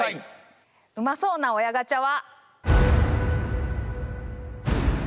うまそうな「親ガチャ」は。